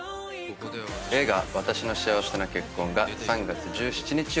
映画『わたしの幸せな結婚』が３月１７日より公開します。